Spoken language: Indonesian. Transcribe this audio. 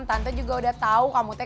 tante juga udah tau kamu teh